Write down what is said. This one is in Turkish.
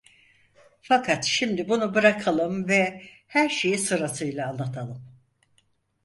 Fakat şimdi bunu bırakalım ve her şeyi sırasıyla anlatalım.